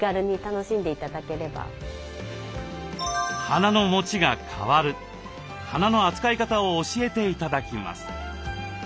花のもちが変わる花の扱い方を教えて頂きます。